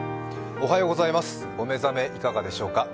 お目覚めいかがでしょうか。